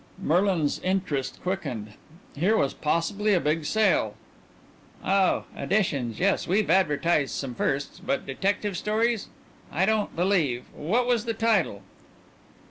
Merlin's interest quickened. Here was possibly a big sale. "Oh, editions. Yes, we've advertised some firsts, but detective stories, I don't believe What was the title?"